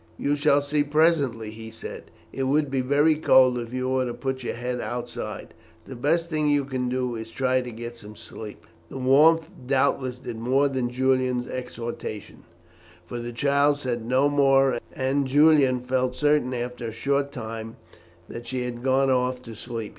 "You shall see presently," he said. "It would be very cold if you were to put your head outside. The best thing that you can do is to try to get to sleep." The warmth doubtless did more than Julian's exhortation, for the child said no more, and Julian felt certain after a short time that she had gone off to sleep.